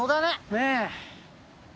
ねえ。